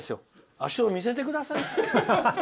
足を見せてくださいって。